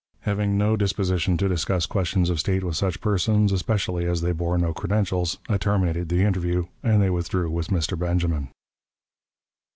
Having no disposition to discuss questions of state with such persons, especially as they bore no credentials, I terminated the interview, and they withdrew with Mr. Benjamin.